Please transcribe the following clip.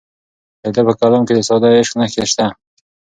د ده په کلام کې د ساده عشق نښې شته.